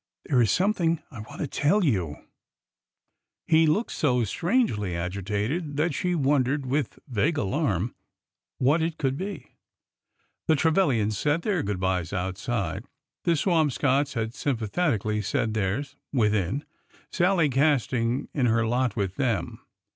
There is something I want to tell you." He looked so —AND JONATHAN 245 strangely agitated that she wendered, with vague alarm, what it could be. The Trevilians said their good bys outside, the Swam scotts having sympathetically said theirs within, — Sallie casting in her lot with them.